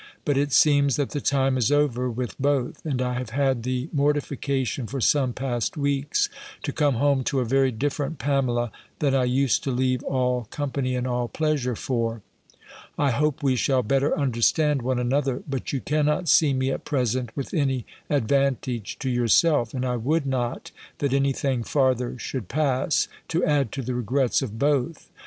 But it seems that the time is over with both; and I have had the mortification, for some past weeks, to come home to a very different Pamela, than I used to leave all company and all pleasure for. I hope we shall better understand one another. But you cannot see me at present with any advantage to yourself; and I would not, that any thing farther should pass, to add to the regrets of both.